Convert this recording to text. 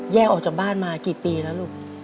ออกจากบ้านมากี่ปีแล้วลูก